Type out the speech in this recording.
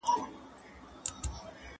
کله به حکومت نړیواله مرسته په رسمي ډول وڅیړي؟